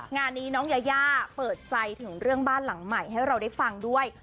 งานนี้น้องยายาเปิดใจถึงเรื่องบ้านหลังใหม่ให้เราได้ฟังด้วย